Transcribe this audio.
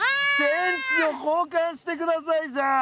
「電池を交換してください」じゃん。